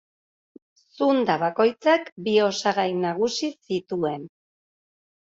Zunda bakoitzak bi osagai nagusi zituen.